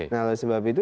nah oleh sebab itu